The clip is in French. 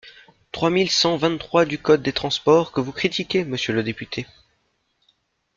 trois mille cent vingt-trois du code des transports, que vous critiquez, monsieur le député.